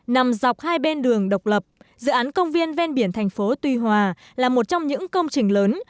nằm dọc hai bên đường độc lập dự án công viên ven biển thành phố tuy hòa là một trong những công trình lớn